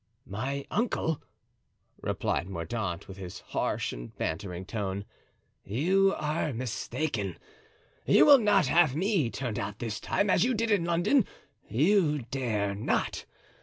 "My uncle," replied Mordaunt, with his harsh and bantering tone, "you are mistaken; you will not have me turned out this time as you did in London—you dare not.